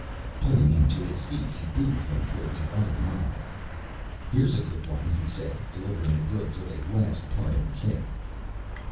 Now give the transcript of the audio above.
Pulling him to his feet he booted him towards the other mob. "Here's a good one," he said, delivering the goods with a last parting kick.